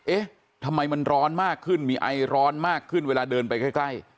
เอ๊ะทำไมมันร้อนมากขึ้นมีไอร้อนมากขึ้นเวลาเดินไปใกล้